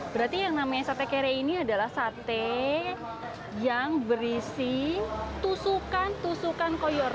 berarti yang namanya sate kere ini adalah sate yang berisi tusukan tusukan koyor